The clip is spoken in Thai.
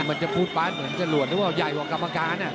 อืมมันจะพูดปานเหมือนกระรวดหรือว่าใหญ่กว่ากรรมการน่ะ